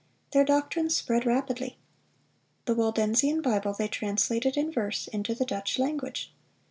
Their doctrines spread rapidly. The Waldensian Bible they translated in verse into the Dutch language.